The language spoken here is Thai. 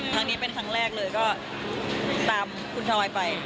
ครั้งนี้เป็นครั้งแรกเลยก็ตามคุณทอยไป